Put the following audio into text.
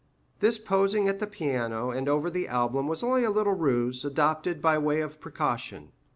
This posing at the piano and over the album was only a little ruse adopted by way of precaution.